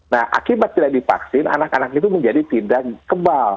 nah akibat tidak divaksin anak anak itu menjadi tidak kebal